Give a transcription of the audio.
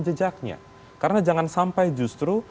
jejaknya karena jangan sampai justru